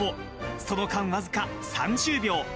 その間僅か３０秒。